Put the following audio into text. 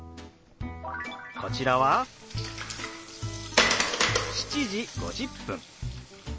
こちらは「７時５０分」。